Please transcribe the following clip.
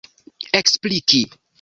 ekspliki